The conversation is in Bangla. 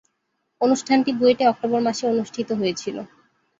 অনুষ্ঠানটি বুয়েটে অক্টোবর মাসে অনুষ্ঠিত হয়েছিলো।